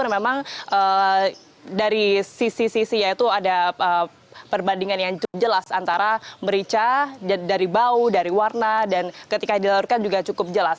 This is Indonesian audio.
memang dari sisi sisi yaitu ada perbandingan yang jelas antara merica dari bau dari warna dan ketika dilalurkan juga cukup jelas